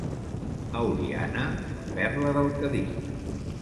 A Oliana, la Perla del Cadí.